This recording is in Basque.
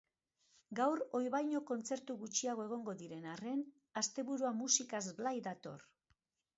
Gaur ohi baino kontzertu gutxiago egongo diren arren, asteburua musikaz blai dator!